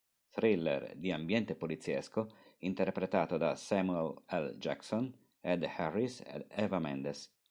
Thriller di ambiente poliziesco interpretato da Samuel L. Jackson, Ed Harris, ed Eva Mendes.